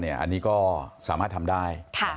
อันนี้ก็สามารถทำได้